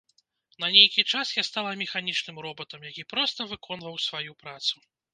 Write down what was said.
На нейкі час я стала механічным робатам, які проста выконваў сваю працу.